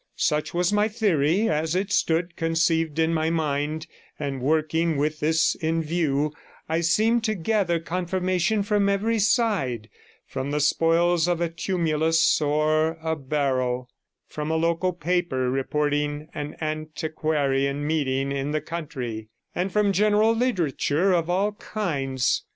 Such was my theory as it stood conceived in my mind; and working with this in view, I seemed to gather confirmation from every side, from the spoils of a tumulus or a barrow, from a local paper reporting an antiquarian meeting in the country, and from general literature of all kinds.